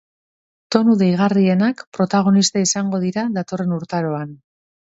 Tonu deigarrienak protagonista izango dira datorren urtaroan.